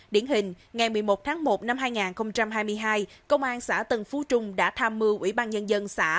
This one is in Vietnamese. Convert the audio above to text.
điển hình ngày một mươi một tháng một năm hai nghìn hai mươi hai công an xã tân phú trung đã tham mưu ủy ban nhân dân xã